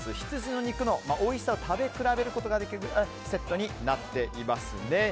羊の肉のおいしさを食べ比べることができるセットになっています。